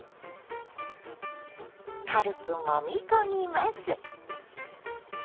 軽くもみ込みます。